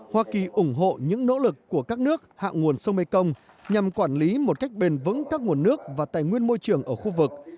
hoa kỳ ủng hộ những nỗ lực của các nước hạ nguồn sông mekong nhằm quản lý một cách bền vững các nguồn nước và tài nguyên môi trường ở khu vực